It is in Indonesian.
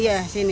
iya di sini